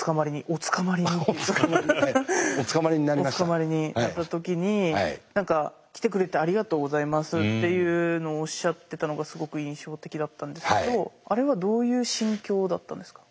お捕まりになった時に何か「来てくれてありがとうございます」っていうのをおっしゃってたのがすごく印象的だったんですけどあれはどういう心境だったんですか？